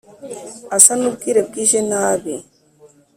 asa n’ubwire bwije nabi